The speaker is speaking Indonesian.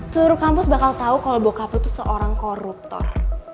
seluruh kampus bakal tau kalo bokapu tuh seorang koruptor